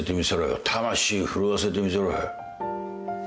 魂震わせてみせろよ。